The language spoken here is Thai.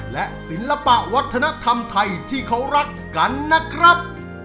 และศิลปะวัฒนธรรมไทยที่เขารักกันนะครับ